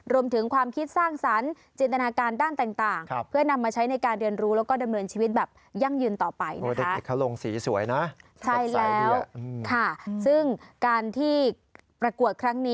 รวมถึงความคิดสร้างสรรค์จินตนาการด้านต่างเพื่อนำมาใช้ในการเรียนรู้แล้วก็ดำเนินชีวิตแบบยั่งยืนต่อไปนะคะ